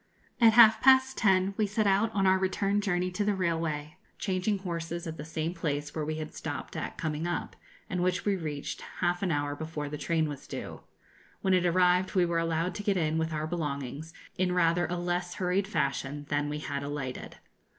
At half past ten, we set out on our return journey to the railway, changing horses at the same place where we had stopped at coming up, and which we reached half an hour before the train was due; when it arrived we were allowed to get in with our belongings in rather a less hurried fashion than we had alighted.